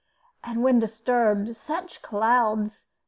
And when disturbed, such clouds!